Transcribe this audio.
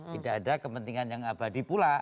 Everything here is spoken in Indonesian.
tidak ada kepentingan yang abadi pula